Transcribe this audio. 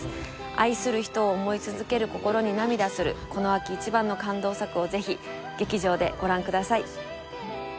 愛する人を思い続ける心に涙するこの秋一番の感動作をぜひ劇場でご覧ください